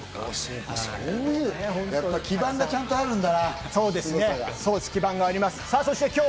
基板がちゃんとあるんだ。